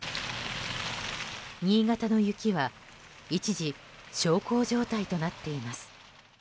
新潟の雪は一時、小康状態となっています。